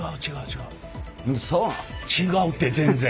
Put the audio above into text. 違うって全然。